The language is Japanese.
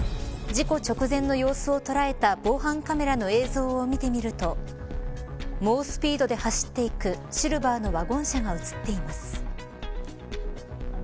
事故直前の様子を捉えた防犯カメラの映像を見てみると猛スピードで走っていくシルバーのワゴン車が映っています。